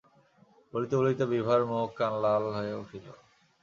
বলিতে বলিতে বিভার মুখ কান লাল হইয়া উঠিল।